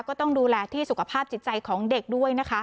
ก็ต้องดูแลที่สุขภาพจิตใจของเด็กด้วยนะคะ